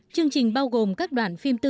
chương trình bao gồm các đoạn phim tươi